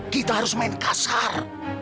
kita harus main kasar